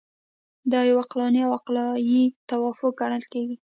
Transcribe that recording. دا یو عقلاني او عقلایي توافق ګڼل کیږي.